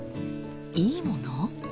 いいもの？